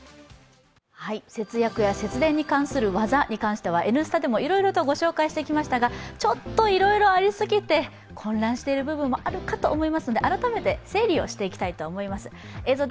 節約や節電に関する技に関しては「Ｎスタ」でもいろいろとご紹介してきましたがちょっといろいろありすぎて混乱している部分もあるかと思いますので、改めて整理していきたいと思います。